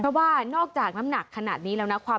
เพราะว่านอกจากน้ำหนักขนาดนี้แล้วนะความ